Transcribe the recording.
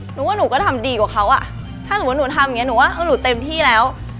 หนูว่าหนูก็ทำดีกว่าเขาอ่ะถ้าสมมุติหนูทำอย่างเงี้หนูว่าหนูเต็มที่แล้ว